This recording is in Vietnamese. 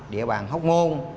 địa bàn hóc môn